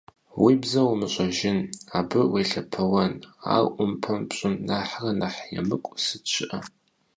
Уи бзэр умыщӏэжын, абы уелъэпэуэн, ар ӏумпэм пщӏын нэхърэ нэхъ емыкӏу сыт щыӏэ!